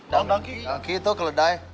dangki itu keledai